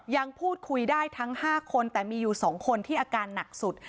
ยังพูดคุยได้ทั้ง๕คนแต่มีอยู่๒คนที่อาการหนักสุด